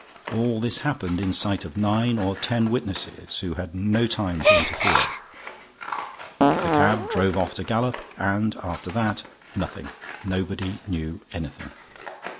All this happened in sight of nine or ten witnesses, who had no time to interfere. The cab drove off at a gallop. And, after that, nothing. Nobody knew anything.